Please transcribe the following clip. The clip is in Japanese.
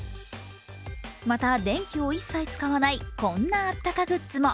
また電気を一切使わないこんなあったかグッズも。